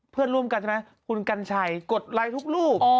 เพื่อนร่วมกันใช่ไหมคุณกัญชัยกดไลค์ทุกรูป